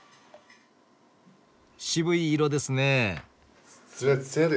渋い色ですね？